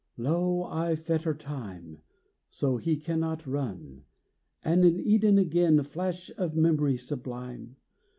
Lo! I fetter Time, So he cannot run; And in Eden again Flash of memory sublime!